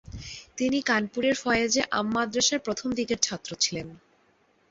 তিনি কানপুরের ফয়েজে আম মাদ্রাসার প্রথম দিকের ছাত্র ছিলেন।